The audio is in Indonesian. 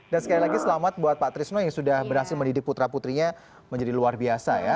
dan sekali lagi selamat buat pak trizno yang sudah berhasil mendidik putra putrinya menjadi luar biasa ya